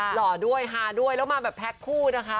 หล่อด้วยฮาด้วยแล้วมาแบบแพ็คคู่นะคะ